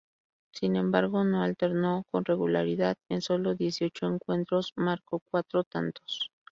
Sin embargo, no alternó con regularidad: en solo dieciocho encuentros, marcó cuatro tantos.